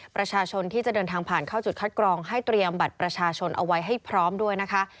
ประชาชนที่จะเดินทางผ่านเข้าจุดคัดกรองให้เตรียมบัตรประชาชนเอาไว้ให้พร้อมด้วยนะคะ